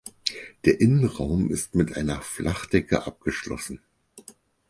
Der Innenraum ist mit einer Flachdecke abgeschlossen.